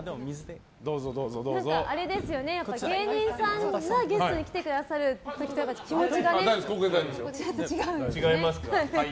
芸人さんがゲストに来てくださる時とはやっぱり気持ちがねちょっと違うんですよね。